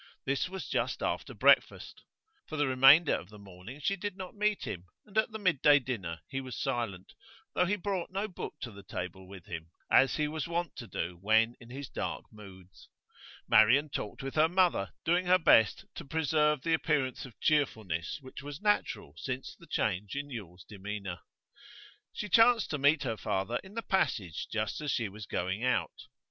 This was just after breakfast. For the remainder of the morning she did not meet him, and at the mid day dinner he was silent, though he brought no book to the table with him, as he was wont to do when in his dark moods. Marian talked with her mother, doing her best to preserve the appearance of cheerfulness which was natural since the change in Yule's demeanour. She chanced to meet her father in the passage just as she was going out.